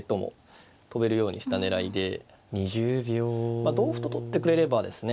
まあ同歩と取ってくれればですね